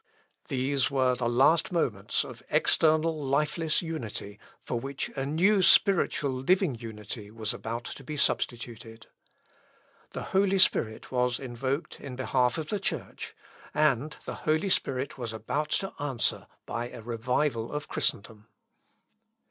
These were the last moments of external lifeless unity for which a new spiritual living unity was about to be substituted. The Holy Spirit was invoked in behalf of the Church, and the Holy Spirit was about to answer by a revival of Christendom.